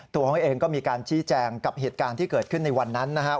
ตัวเขาเองก็มีการชี้แจงกับเหตุการณ์ที่เกิดขึ้นในวันนั้นนะครับ